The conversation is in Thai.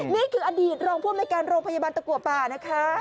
นี่คืออดีตรองผู้อำนวยการโรงพยาบาลตะกัวป่านะคะ